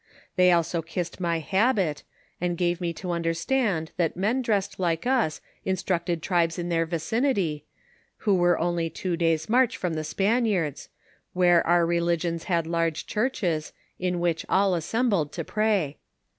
They also kissed my habit, and gave me to understand that men dressed like us instructed tribes in their vicinity, who were only two days' march from the Spaniards, where our religious had large churches, in which all assembled to pray.